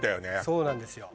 そうなんですよ